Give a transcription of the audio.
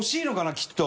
きっと。